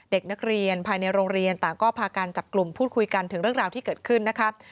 เด็กนักเรียนภายในโรงเรียนต่างก็พากันจับกลุ่มพูดคุยกันถึงเรื่องราวที่เกิดขึ้นนะครับ